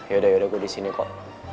yaudah yaudah gue disini kok